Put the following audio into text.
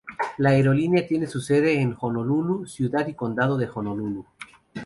La aerolínea tiene su sede en Honolulú, Ciudad y Condado de Honolulú.